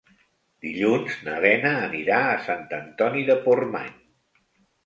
Dilluns na Lena anirà a Sant Antoni de Portmany.